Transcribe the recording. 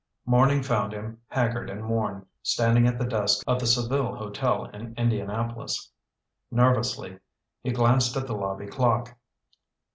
Morning found him, haggard and worn, standing at the desk of the Seville Hotel in Indianapolis. Nervously he glanced at the lobby clock.